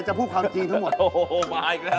เจ๋งไหม